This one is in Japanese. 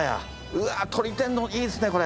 うわっ鶏天丼いいっすねこれ。